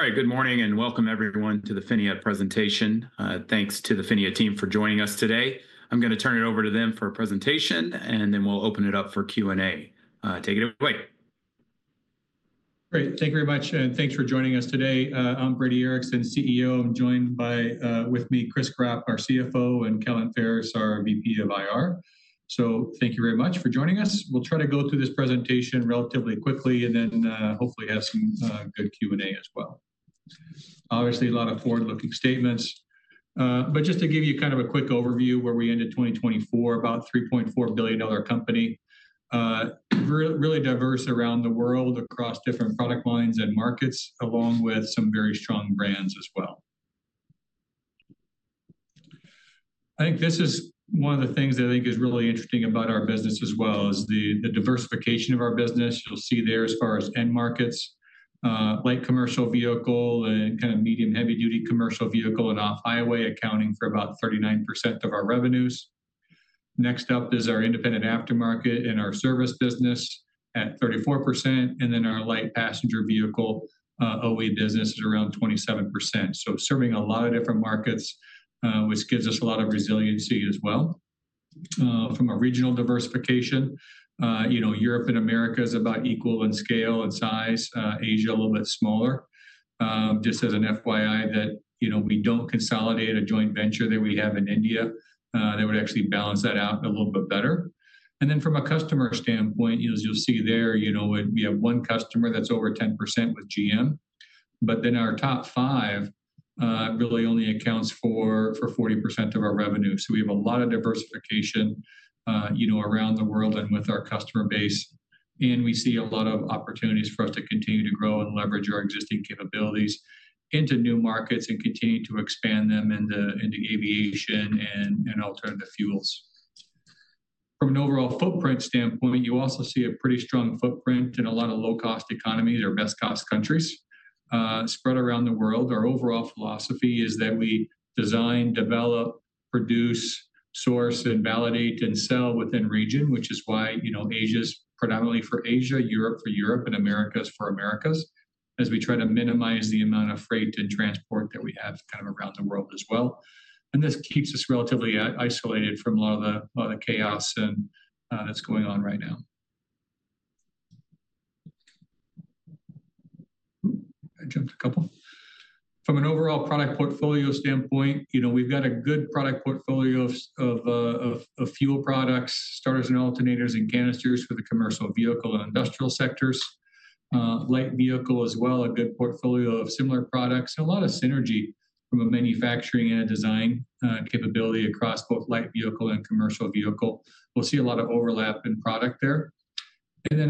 All right, good morning and welcome everyone to the PHINIA presentation. Thanks to the PHINIA team for joining us today. I'm going to turn it over to them for a presentation, and then we'll open it up for Q&A. Take it away. Great, thank you very much, and thanks for joining us today. I'm Brady Ericson, CEO. I'm joined by, with me, Chris Gropp, our CFO, and Kellen Ferris, our VP of IR. Thank you very much for joining us. We'll try to go through this presentation relatively quickly and then hopefully have some good Q&A as well. Obviously, a lot of forward-looking statements, but just to give you kind of a quick overview, where we ended 2024, about a $3.4 billion company. Really diverse around the world, across different product lines and markets, along with some very strong brands as well. I think this is one of the things that I think is really interesting about our business as well, is the diversification of our business. You'll see there as far as end markets, light commercial vehicle and kind of medium-heavy-duty commercial vehicle and off-highway accounting for about 39% of our revenues. Next up is our independent aftermarket and our service business at 34%, and then our light passenger vehicle OE business is around 27%. Serving a lot of different markets, which gives us a lot of resiliency as well. From a regional diversification, you know, Europe and America is about equal in scale and size. Asia a little bit smaller. Just as an FYI, that, you know, we don't consolidate a joint venture that we have in India. They would actually balance that out a little bit better. From a customer standpoint, as you'll see there, you know, we have one customer that's over 10% with GM, but then our top five really only accounts for 40% of our revenue. We have a lot of diversification, you know, around the world and with our customer base. We see a lot of opportunities for us to continue to grow and leverage our existing capabilities into new markets and continue to expand them into aviation and alternative fuels. From an overall footprint standpoint, you also see a pretty strong footprint in a lot of low-cost economies or best-cost countries spread around the world. Our overall philosophy is that we design, develop, produce, source, validate, and sell within region, which is why, you know, Asia is predominantly for Asia, Europe for Europe, and Americas for Americas, as we try to minimize the amount of freight and transport that we have kind of around the world as well. This keeps us relatively isolated from a lot of the chaos that is going on right now. I jumped a couple. From an overall product portfolio standpoint, you know, we've got a good product portfolio of fuel products, starters and alternators, and canisters for the commercial vehicle and industrial sectors. Light vehicle as well, a good portfolio of similar products, and a lot of synergy from a manufacturing and design capability across both light vehicle and commercial vehicle. We'll see a lot of overlap in product there.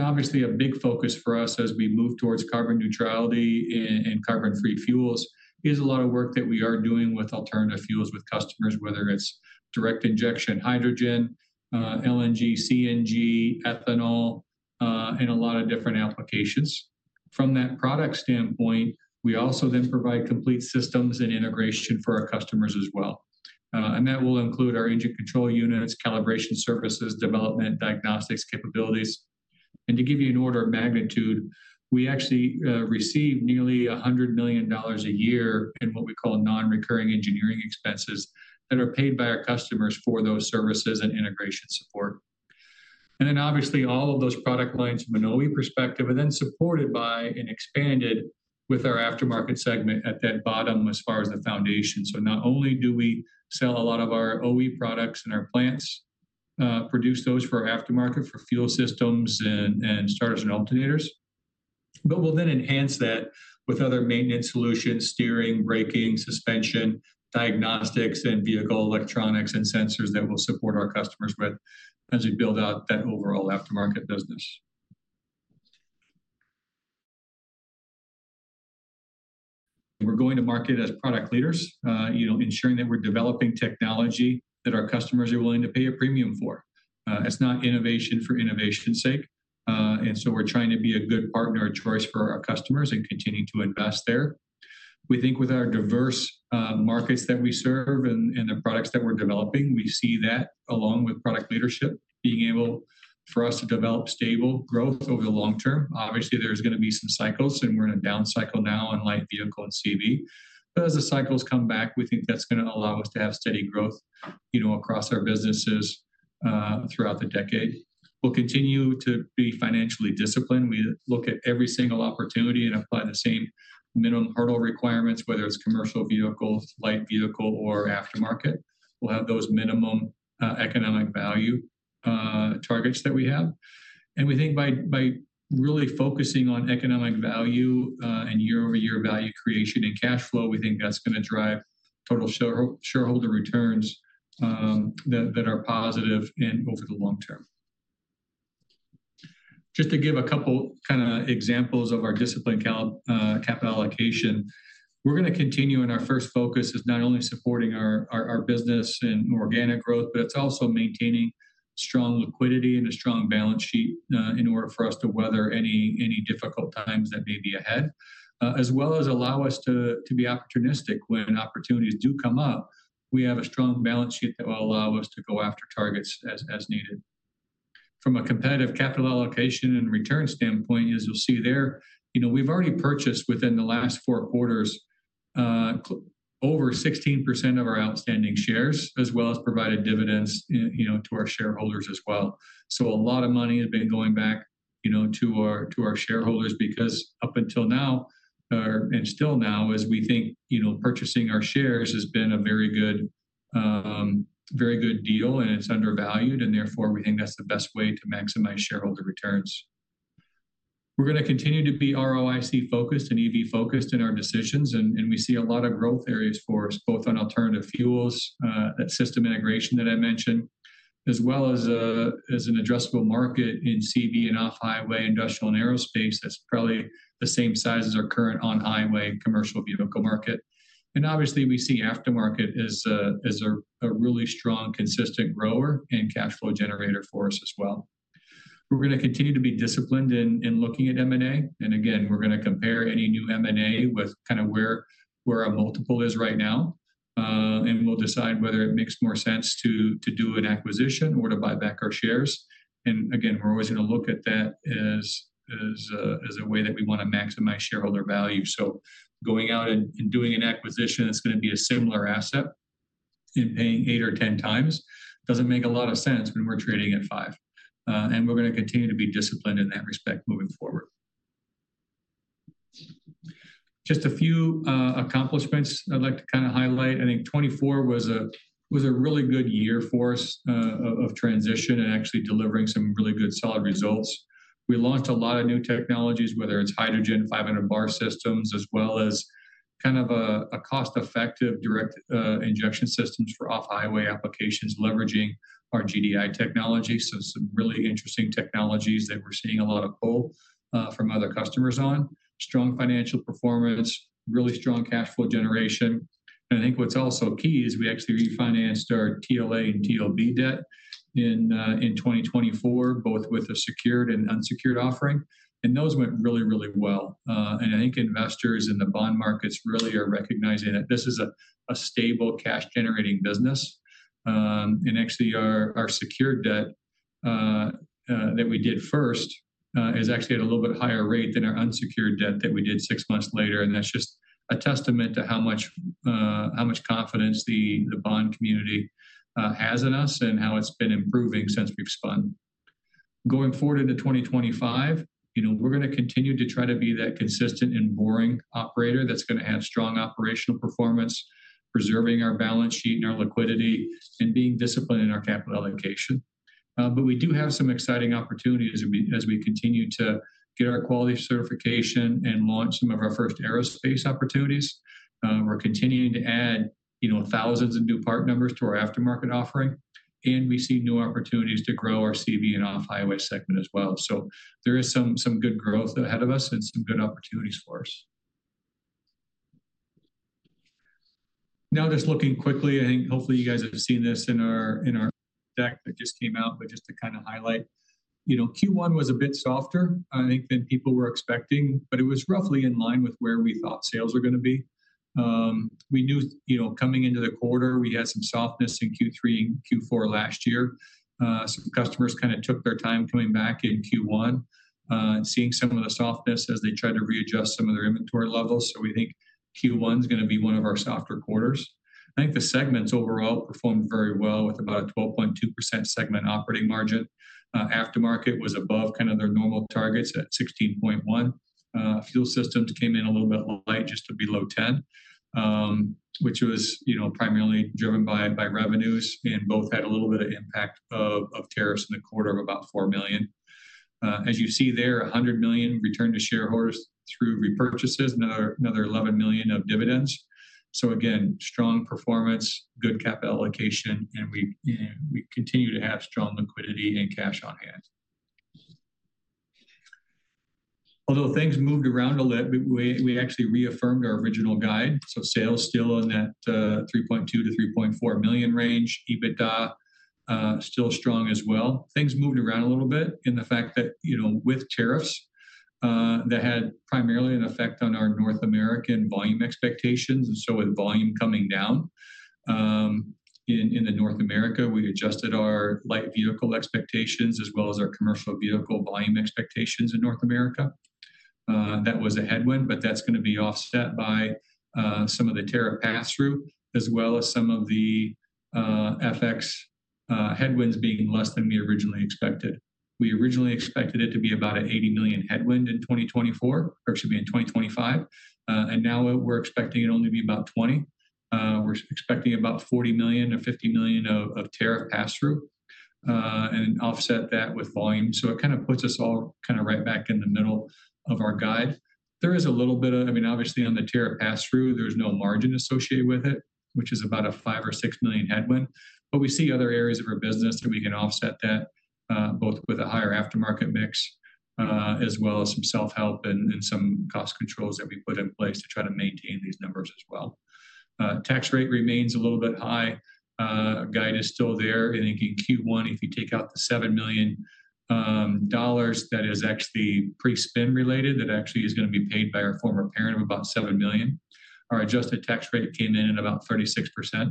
Obviously a big focus for us as we move towards carbon neutrality and carbon-free fuels is a lot of work that we are doing with alternative fuels with customers, whether it's direct injection hydrogen, LNG, CNG, ethanol, and a lot of different applications. From that product standpoint, we also then provide complete systems and integration for our customers as well. That will include our engine control units, calibration services, development, diagnostics, capabilities. To give you an order of magnitude, we actually receive nearly $100 million a year in what we call non-recurring engineering expenses that are paid by our customers for those services and integration support. Obviously, all of those product lines from an OE perspective are then supported by and expanded with our aftermarket segment at that bottom as far as the foundation. Not only do we sell a lot of our OE products and our plants produce those for aftermarket for fuel systems and starters and alternators, but we will then enhance that with other maintenance solutions, steering, braking, suspension, diagnostics, and vehicle electronics and sensors that will support our customers as we build out that overall aftermarket business. We are going to market as product leaders, you know, ensuring that we are developing technology that our customers are willing to pay a premium for. It's not innovation for innovation's sake. We are trying to be a good partner of choice for our customers and continue to invest there. We think with our diverse markets that we serve and the products that we're developing, we see that along with product leadership being able for us to develop stable growth over the long term. Obviously, there are going to be some cycles, and we're in a down cycle now on light vehicle and CV. As the cycles come back, we think that's going to allow us to have steady growth, you know, across our businesses throughout the decade. We'll continue to be financially disciplined. We look at every single opportunity and apply the same minimum hurdle requirements, whether it's commercial vehicles, light vehicle, or aftermarket. We'll have those minimum economic value targets that we have. We think by really focusing on economic value and year-over-year value creation and cash flow, we think that's going to drive total shareholder returns that are positive and over the long term. Just to give a couple kind of examples of our disciplined capital allocation, we're going to continue in our first focus is not only supporting our business and organic growth, but it's also maintaining strong liquidity and a strong balance sheet in order for us to weather any difficult times that may be ahead, as well as allow us to be opportunistic when opportunities do come up. We have a strong balance sheet that will allow us to go after targets as needed. From a competitive capital allocation and return standpoint, as you'll see there, you know, we've already purchased within the last four quarters over 16% of our outstanding shares, as well as provided dividends, you know, to our shareholders as well. A lot of money has been going back, you know, to our shareholders because up until now, and still now, as we think, you know, purchasing our shares has been a very good deal and it's undervalued, and therefore we think that's the best way to maximize shareholder returns. We're going to continue to be ROIC focused and EV focused in our decisions, and we see a lot of growth areas for us, both on alternative fuels, that system integration that I mentioned, as well as an addressable market in CV and off-highway industrial and aerospace that's probably the same size as our current on-highway commercial vehicle market. Obviously we see aftermarket as a really strong, consistent grower and cash flow generator for us as well. We are going to continue to be disciplined in looking at M&A. Again, we are going to compare any new M&A with kind of where our multiple is right now, and we will decide whether it makes more sense to do an acquisition or to buy back our shares. Again, we are always going to look at that as a way that we want to maximize shareholder value. Going out and doing an acquisition that is going to be a similar asset and paying eight or ten times does not make a lot of sense when we are trading at five. We are going to continue to be disciplined in that respect moving forward. Just a few accomplishments I would like to kind of highlight. I think 2024 was a really good year for us of transition and actually delivering some really good solid results. We launched a lot of new technologies, whether it's hydrogen 500 bar systems, as well as kind of a cost-effective direct injection systems for off-highway applications leveraging our GDI technology. Some really interesting technologies that we're seeing a lot of pull from other customers on. Strong financial performance, really strong cash flow generation. I think what's also key is we actually refinanced our TLA and TLB debt in 2024, both with a secured and unsecured offering. Those went really, really well. I think investors in the bond markets really are recognizing that this is a stable cash-generating business. Actually our secured debt that we did first is at a little bit higher rate than our unsecured debt that we did six months later. That is just a testament to how much confidence the bond community has in us and how it has been improving since we have spun. Going forward into 2025, you know, we are going to continue to try to be that consistent and boring operator that is going to have strong operational performance, preserving our balance sheet and our liquidity, and being disciplined in our capital allocation. We do have some exciting opportunities as we continue to get our quality certification and launch some of our first aerospace opportunities. We are continuing to add, you know, thousands of new part numbers to our aftermarket offering. We see new opportunities to grow our CV and off-highway segment as well. There is some good growth ahead of us and some good opportunities for us. Now just looking quickly, I think hopefully you guys have seen this in our deck that just came out, but just to kind of highlight, you know, Q1 was a bit softer, I think, than people were expecting, but it was roughly in line with where we thought sales were going to be. We knew, you know, coming into the quarter, we had some softness in Q3 and Q4 last year. Some customers kind of took their time coming back in Q1 and seeing some of the softness as they tried to readjust some of their inventory levels. We think Q1 is going to be one of our softer quarters. I think the segments overall performed very well with about a 12.2% segment operating margin. Aftermarket was above kind of their normal targets at 16.1%. Fuel systems came in a little bit light, just below 10, which was, you know, primarily driven by revenues and both had a little bit of impact of tariffs in the quarter of about $4 million. As you see there, $100 million returned to shareholders through repurchases, another $11 million of dividends. Again, strong performance, good capital allocation, and we continue to have strong liquidity and cash on hand. Although things moved around a little bit, we actually reaffirmed our original guide. Sales still in that $3.2 million-$3.4 million range, EBITDA still strong as well. Things moved around a little bit in the fact that, you know, with tariffs that had primarily an effect on our North American volume expectations. With volume coming down in North America, we adjusted our light vehicle expectations as well as our commercial vehicle volume expectations in North America. That was a headwind, but that's going to be offset by some of the tariff pass-through, as well as some of the FX headwinds being less than we originally expected. We originally expected it to be about an $80 million headwind in 2024, or it should be in 2025. And now we're expecting it only to be about $20 million. We're expecting about $40 million-$50 million of tariff pass-through and offset that with volume. So it kind of puts us all kind of right back in the middle of our guide. There is a little bit of, I mean, obviously on the tariff pass-through, there's no margin associated with it, which is about a $5 million or $6 million headwind. We see other areas of our business that we can offset that both with a higher aftermarket mix, as well as some self-help and some cost controls that we put in place to try to maintain these numbers as well. Tax rate remains a little bit high. Guide is still there. I think in Q1, if you take out the $7 million that is actually pre-spin related, that actually is going to be paid by our former parent of about $7 million. Our adjusted tax rate came in at about 36% in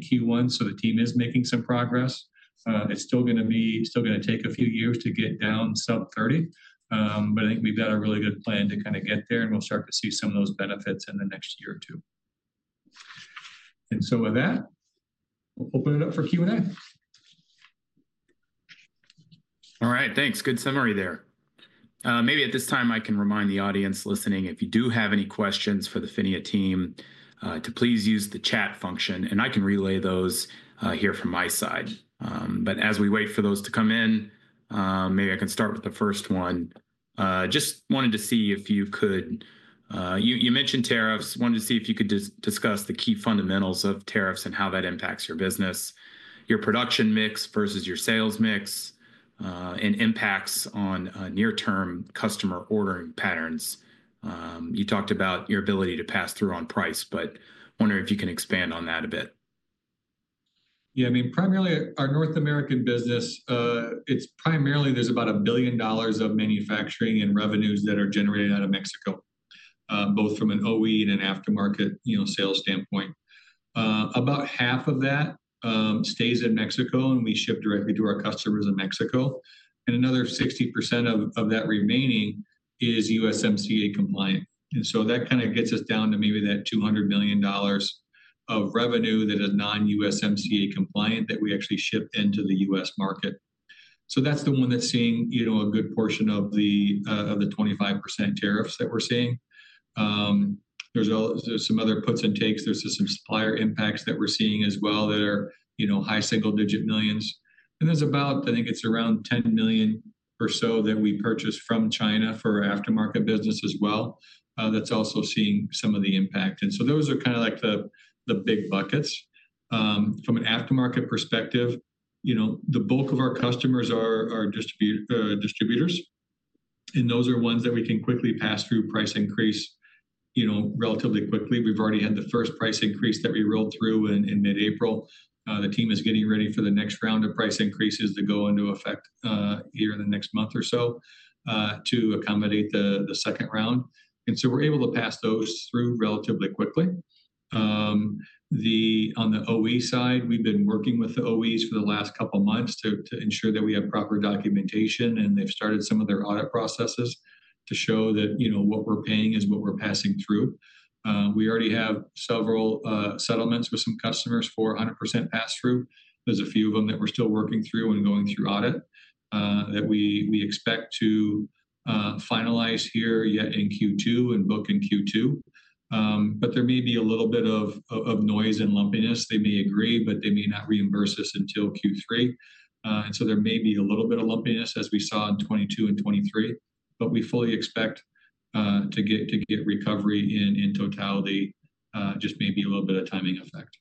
Q1. The team is making some progress. It's still going to take a few years to get down sub 30%. I think we've got a really good plan to kind of get there, and we'll start to see some of those benefits in the next year or two. With that, we'll open it up for Q&A. All right, thanks. Good summary there. Maybe at this time, I can remind the audience listening, if you do have any questions for the PHINIA team, to please use the chat function. I can relay those here from my side. As we wait for those to come in, maybe I can start with the first one. Just wanted to see if you could, you mentioned tariffs. Wanted to see if you could discuss the key fundamentals of tariffs and how that impacts your business, your production mix versus your sales mix, and impacts on near-term customer ordering patterns. You talked about your ability to pass through on price, but wondering if you can expand on that a bit. Yeah, I mean, primarily our North American business, it's primarily, there's about $1 billion of manufacturing and revenues that are generated out of Mexico, both from an OE and an aftermarket, you know, sales standpoint. About half of that stays in Mexico, and we ship directly to our customers in Mexico. And another 60% of that remaining is USMCA compliant. That kind of gets us down to maybe that $200 million of revenue that is non-USMCA compliant that we actually ship into the U.S. market. That's the one that's seeing, you know, a good portion of the 25% tariffs that we're seeing. There's some other puts and takes. There's some supplier impacts that we're seeing as well that are, you know, high single-digit millions. There's about, I think it's around $10 million or so that we purchase from China for aftermarket business as well that's also seeing some of the impact. Those are kind of like the big buckets. From an aftermarket perspective, you know, the bulk of our customers are distributors. Those are ones that we can quickly pass through price increase, you know, relatively quickly. We've already had the first price increase that we rolled through in mid-April. The team is getting ready for the next round of price increases that go into effect here in the next month or so to accommodate the second round. We're able to pass those through relatively quickly. On the OE side, we've been working with the OEs for the last couple of months to ensure that we have proper documentation, and they've started some of their audit processes to show that, you know, what we're paying is what we're passing through. We already have several settlements with some customers for 100% pass-through. There's a few of them that we're still working through and going through audit that we expect to finalize here yet in Q2 and book in Q2. There may be a little bit of noise and lumpiness. They may agree, but they may not reimburse us until Q3. There may be a little bit of lumpiness as we saw in 2022 and 2023. We fully expect to get recovery in totality, just maybe a little bit of timing effect.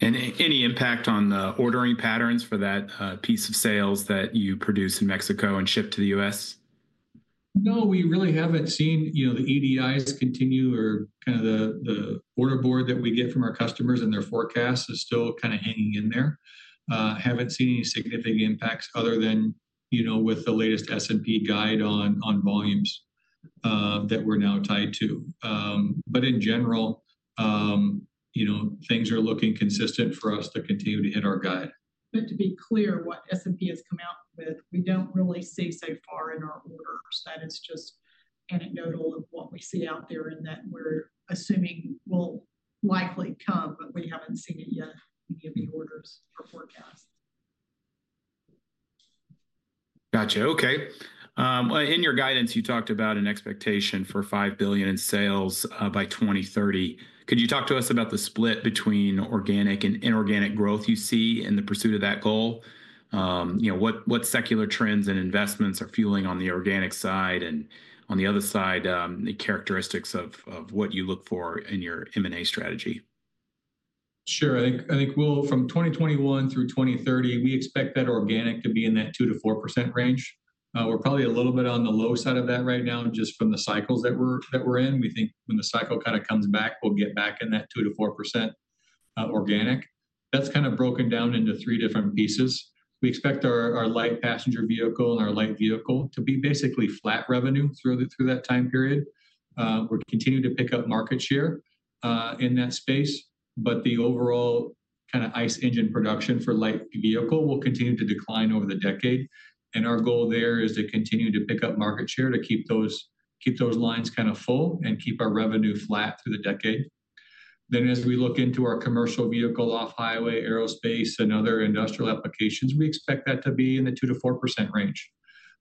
There any impact on the ordering patterns for that piece of sales that you produce in Mexico and ship to the U.S.? No, we really haven't seen, you know, the EDIs continue or kind of the order board that we get from our customers and their forecasts is still kind of hanging in there. Haven't seen any significant impacts other than, you know, with the latest S&P guide on volumes that we're now tied to. In general, you know, things are looking consistent for us to continue to hit our guide. To be clear, what S&P has come out with, we don't really see so far in our orders. That is just anecdotal of what we see out there and that we're assuming will likely come, but we haven't seen it yet, any of the orders or forecasts. Gotcha. Okay. In your guidance, you talked about an expectation for $5 billion in sales by 2030. Could you talk to us about the split between organic and inorganic growth you see in the pursuit of that goal? You know, what secular trends and investments are fueling on the organic side and on the other side, the characteristics of what you look for in your M&A strategy? Sure. I think from 2021 through 2030, we expect that organic to be in that 2%-4% range. We're probably a little bit on the low side of that right now, just from the cycles that we're in. We think when the cycle kind of comes back, we'll get back in that 2%-4% organic. That's kind of broken down into three different pieces. We expect our light passenger vehicle and our light vehicle to be basically flat revenue through that time period. We're continuing to pick up market share in that space, but the overall kind of ice engine production for light vehicle will continue to decline over the decade. Our goal there is to continue to pick up market share to keep those lines kind of full and keep our revenue flat through the decade. As we look into our commercial vehicle, off-highway, aerospace, and other industrial applications, we expect that to be in the 2%-4% range,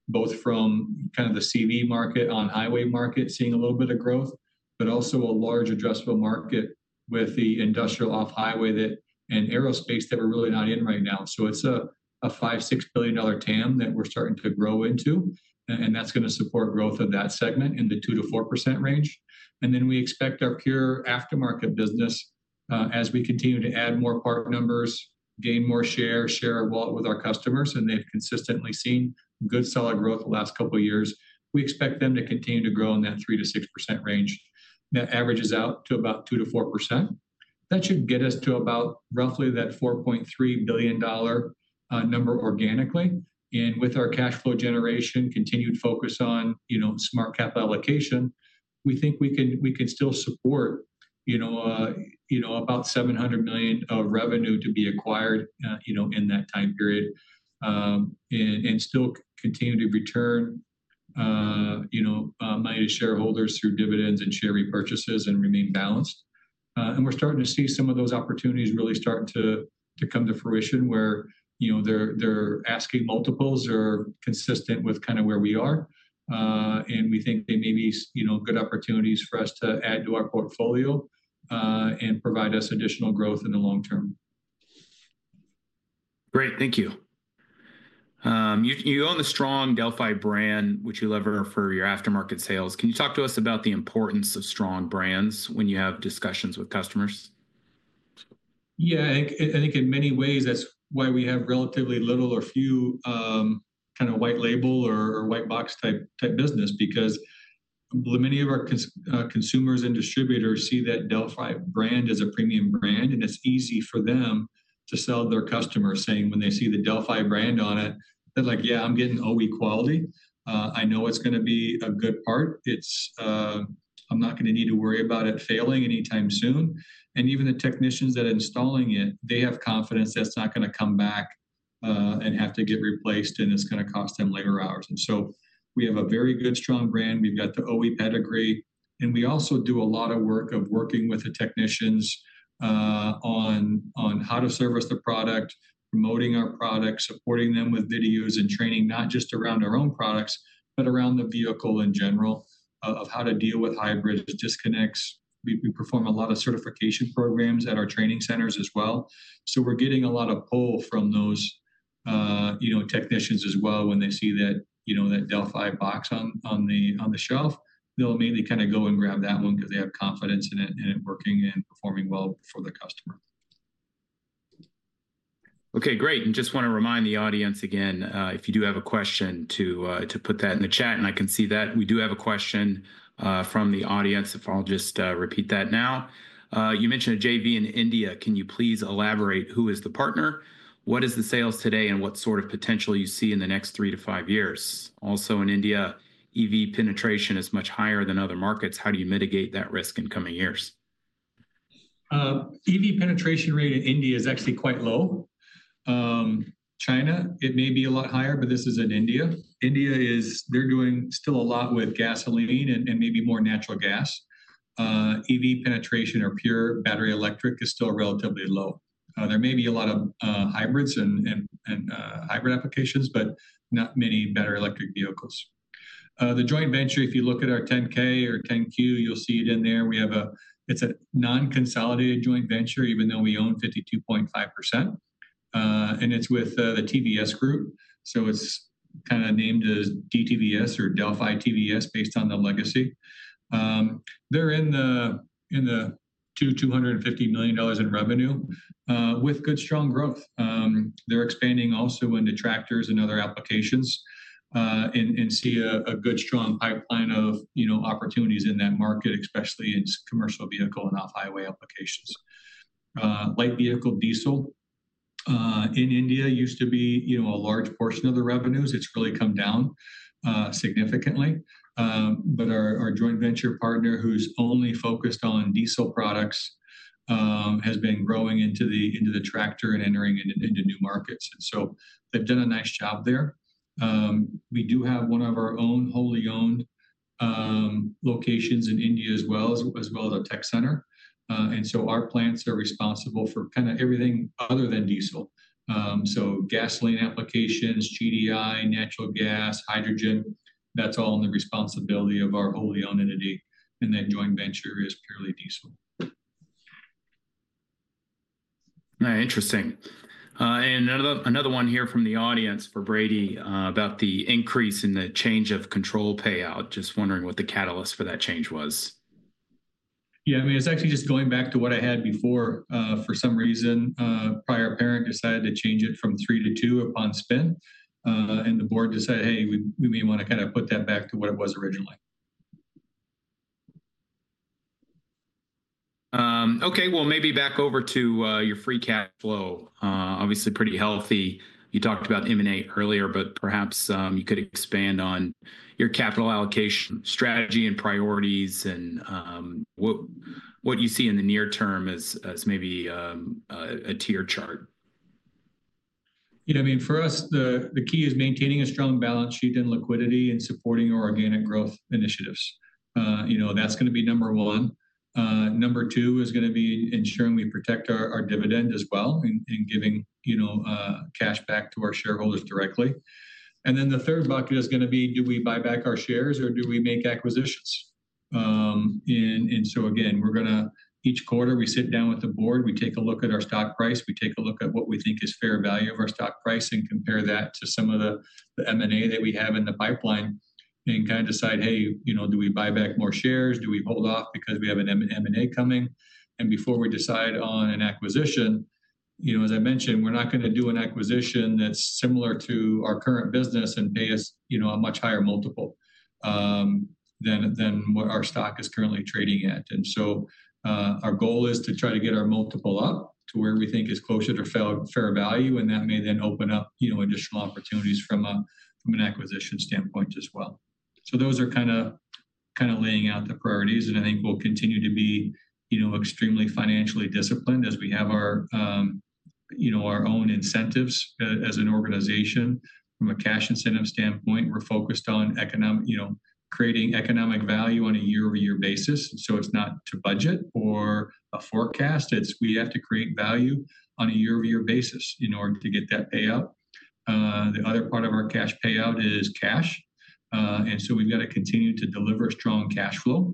both from kind of the CV market, on-highway market, seeing a little bit of growth, but also a large addressable market with the industrial off-highway and aerospace that we're really not in right now. It is a $5 billion, $6 billion TAM that we're starting to grow into, and that is going to support growth of that segment in the 2%-4% range. We expect our pure aftermarket business, as we continue to add more part numbers, gain more share, share our wallet with our customers, and they have consistently seen good solid growth the last couple of years, we expect them to continue to grow in that 3%-6% range. That averages out to about 2%-4%. That should get us to about roughly that $4.3 billion number organically. With our cash flow generation, continued focus on, you know, smart capital allocation, we think we can still support, you know, about $700 million of revenue to be acquired, you know, in that time period and still continue to return, you know, money to shareholders through dividends and share repurchases and remain balanced. We're starting to see some of those opportunities really start to come to fruition where, you know, their asking multiples are consistent with kind of where we are. We think they may be, you know, good opportunities for us to add to our portfolio and provide us additional growth in the long term. Great. Thank you. You own a strong Delphi brand, which you lever for your aftermarket sales. Can you talk to us about the importance of strong brands when you have discussions with customers? Yeah, I think in many ways, that's why we have relatively little or few kind of white label or white box type business, because many of our consumers and distributors see that Delphi brand as a premium brand, and it's easy for them to sell their customers, saying when they see the Delphi brand on it, they're like, "Yeah, I'm getting OE quality. I know it's going to be a good part. I'm not going to need to worry about it failing anytime soon." Even the technicians that are installing it, they have confidence that's not going to come back and have to get replaced, and it's going to cost them labor hours. We have a very good strong brand. We've got the OE pedigree, and we also do a lot of work of working with the technicians on how to service the product, promoting our product, supporting them with videos and training, not just around our own products, but around the vehicle in general, of how to deal with hybrids, disconnects. We perform a lot of certification programs at our training centers as well. We're getting a lot of pull from those, you know, technicians as well. When they see that, you know, that Delphi box on the shelf, they'll immediately kind of go and grab that one because they have confidence in it and it working and performing well for the customer. Okay, great. I just want to remind the audience again, if you do have a question to put that in the chat, and I can see that we do have a question from the audience, if I'll just repeat that now. You mentioned a JV in India. Can you please elaborate who is the partner? What is the sales today and what sort of potential you see in the next three to five years? Also in India, EV penetration is much higher than other markets. How do you mitigate that risk in coming years? EV penetration rate in India is actually quite low. China, it may be a lot higher, but this is in India. India is, they're doing still a lot with gasoline and maybe more natural gas. EV penetration or pure battery electric is still relatively low. There may be a lot of hybrids and hybrid applications, but not many battery electric vehicles. The joint venture, if you look at our 10K or 10Q, you'll see it in there. We have a, it's a non-consolidated joint venture, even though we own 52.5%. And it's with the TVS Group. So it's kind of named as DTVS or Delphi TVS based on the legacy. They're in the $2 million, $250 million in revenue with good strong growth. They're expanding also into tractors and other applications and see a good strong pipeline of, you know, opportunities in that market, especially in commercial vehicle and off-highway applications. Light vehicle diesel in India used to be, you know, a large portion of the revenues. It's really come down significantly. Our joint venture partner, who's only focused on diesel products, has been growing into the tractor and entering into new markets. They've done a nice job there. We do have one of our own wholly owned locations in India as well, as well as a tech center. Our plants are responsible for kind of everything other than diesel. Gasoline applications, GDI, natural gas, hydrogen, that's all in the responsibility of our wholly owned entity. The joint venture is purely diesel. All right, interesting. Another one here from the audience for Brady about the increase in the change of control payout. Just wondering what the catalyst for that change was. Yeah, I mean, it's actually just going back to what I had before. For some reason, prior parent decided to change it from three to two upon spin. And the board decided, "Hey, we may want to kind of put that back to what it was originally. Okay, maybe back over to your free cash flow. Obviously, pretty healthy. You talked about M&A earlier, but perhaps you could expand on your capital allocation strategy and priorities and what you see in the near term as maybe a tier chart. You know, I mean, for us, the key is maintaining a strong balance sheet and liquidity and supporting organic growth initiatives. You know, that's going to be number one. Number two is going to be ensuring we protect our dividend as well and giving, you know, cash back to our shareholders directly. The third bucket is going to be, do we buy back our shares or do we make acquisitions? You know, again, we're going to, each quarter, we sit down with the board, we take a look at our stock price, we take a look at what we think is fair value of our stock price and compare that to some of the M&A that we have in the pipeline and kind of decide, "Hey, you know, do we buy back more shares? Do we hold off because we have an M&A coming? Before we decide on an acquisition, you know, as I mentioned, we're not going to do an acquisition that's similar to our current business and pay, you know, a much higher multiple than what our stock is currently trading at. Our goal is to try to get our multiple up to where we think is closer to fair value, and that may then open up, you know, additional opportunities from an acquisition standpoint as well. Those are kind of laying out the priorities, and I think we'll continue to be, you know, extremely financially disciplined as we have our, you know, our own incentives as an organization. From a cash incentive standpoint, we're focused on, you know, creating economic value on a year-over-year basis. It's not to budget or a forecast. We have to create value on a year-over-year basis in order to get that payout. The other part of our cash payout is cash. We have to continue to deliver strong cash flow.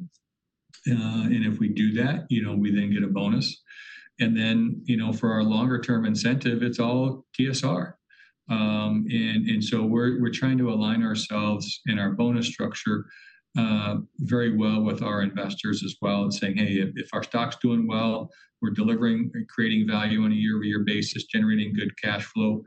If we do that, you know, we then get a bonus. For our longer-term incentive, it is all TSR. We are trying to align ourselves and our bonus structure very well with our investors as well and saying, "Hey, if our stock's doing well, we're delivering and creating value on a year-over-year basis, generating good cash flow,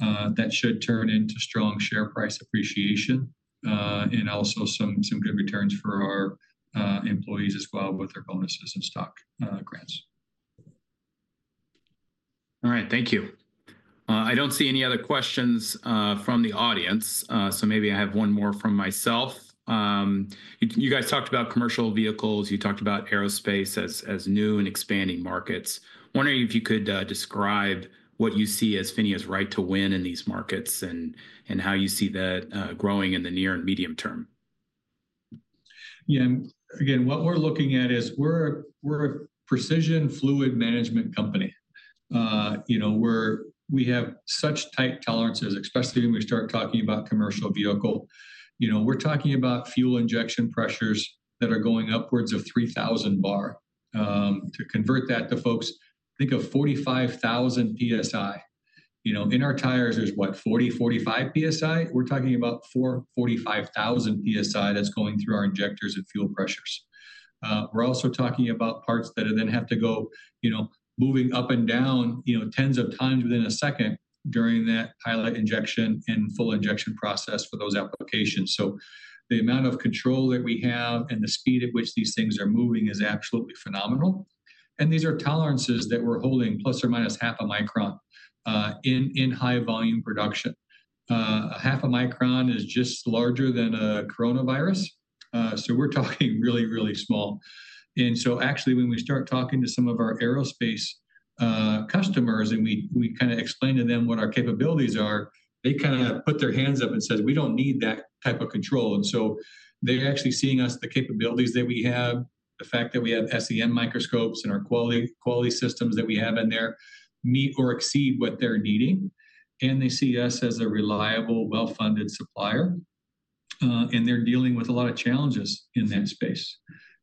that should turn into strong share price appreciation and also some good returns for our employees as well with our bonuses and stock grants. All right, thank you. I don't see any other questions from the audience, so maybe I have one more from myself. You guys talked about commercial vehicles. You talked about aerospace as new and expanding markets. Wondering if you could describe what you see as PHINIA's right to win in these markets and how you see that growing in the near and medium term. Yeah, again, what we're looking at is we're a precision fluid management company. You know, we have such tight tolerances, especially when we start talking about commercial vehicle. You know, we're talking about fuel injection pressures that are going upwards of 3,000 bar. To convert that to folks, think of 45,000 PSI. You know, in our tires, there's what, 40, 45 PSI? We're talking about 45,000 PSI that's going through our injectors and fuel pressures. We're also talking about parts that then have to go, you know, moving up and down, you know, tens of times within a second during that pilot injection and full injection process for those applications. The amount of control that we have and the speed at which these things are moving is absolutely phenomenal. These are tolerances that we're holding plus or minus half a micron in high volume production. Half a micron is just larger than a coronavirus. We're talking really, really small. Actually, when we start talking to some of our aerospace customers and we kind of explain to them what our capabilities are, they kind of put their hands up and say, "We don't need that type of control." They're actually seeing us, the capabilities that we have, the fact that we have SEM microscopes and our quality systems that we have in there meet or exceed what they're needing. They see us as a reliable, well-funded supplier. They're dealing with a lot of challenges in that space.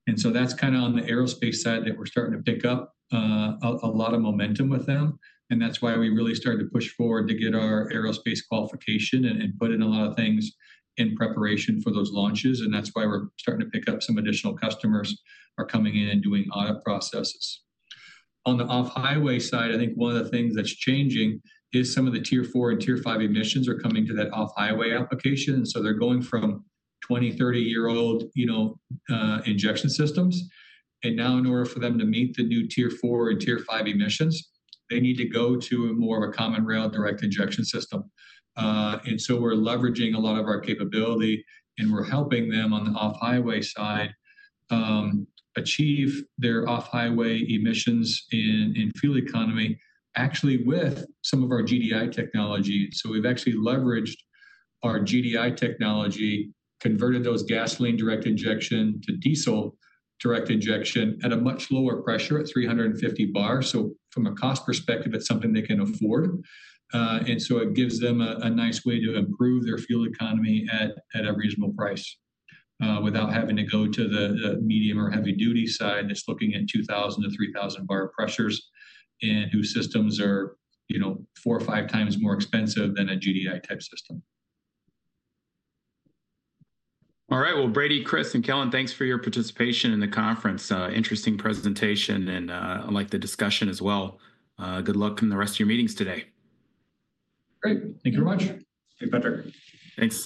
That's kind of on the aerospace side that we're starting to pick up a lot of momentum with them. That is why we really started to push forward to get our aerospace qualification and put in a lot of things in preparation for those launches. That is why we are starting to pick up some additional customers who are coming in and doing audit processes. On the off-highway side, I think one of the things that is changing is some of the tier four and tier five emissions are coming to that off-highway application. They are going from 20, 30-year-old, you know, injection systems. Now, in order for them to meet the new tier four and tier five emissions, they need to go to more of a common rail direct injection system. We are leveraging a lot of our capability and we are helping them on the off-highway side achieve their off-highway emissions and fuel economy actually with some of our GDI technology. We've actually leveraged our GDI technology, converted those gasoline direct injection to diesel direct injection at a much lower pressure at 350 bar. From a cost perspective, it's something they can afford. It gives them a nice way to improve their fuel economy at a reasonable price without having to go to the medium or heavy-duty side that's looking at 2,000-3,000 bar pressures and whose systems are, you know, four or five times more expensive than a GDI type system. All right, Brady, Chris, and Kellen, thanks for your participation in the conference. Interesting presentation and I like the discussion as well. Good luck in the rest of your meetings today. Great. Thank you very much. Thanks.